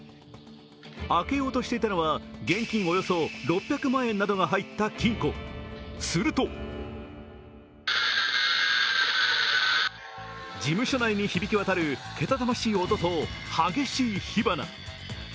開けようとしていたのは、現金およそ６００万円などが入った金庫、すると事務所内に響き渡るけたたましい音と激しい火花。